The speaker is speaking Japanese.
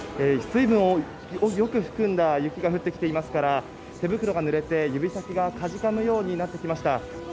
水分をよく含んだ雪が降ってきていますから手袋が濡れて、指先がかじかむようになってきました。